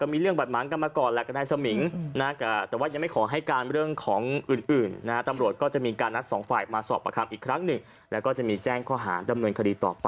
มีบ้าจะไปยิงของผมบ้างปั่งซื้อกกของผมบ้าง